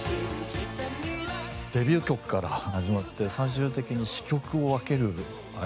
デビュー曲から始まって最終的に詞曲を分ける。